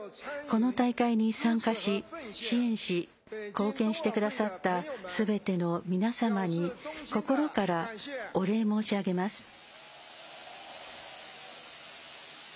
この大会に参加し、支援し貢献してくださったすべての皆様に心からお礼申し上げます。